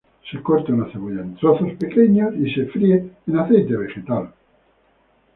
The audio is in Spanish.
Se corta una cebolla en trozos pequeños y se fríe en aceite vegetal.